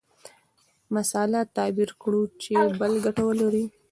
مسأله تعبیر کړو چې بل ګټه ولري.